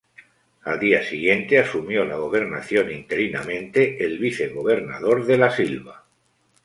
Al día siguiente asumió la gobernación interinamente el vicegobernador De la Silva.